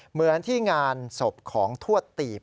เหมือนที่งานศพของทวดตีบ